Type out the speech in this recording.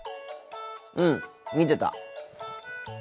うん見てた。